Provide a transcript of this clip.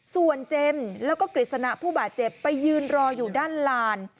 ส่วนเจมส์แล้วก็กฤษณะผู้บาดเจ็บไปยืนรออยู่ด้านลาน